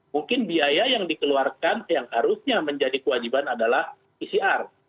mungkin biaya yang dikeluarkan yang harusnya menjadi kewajiban adalah pcr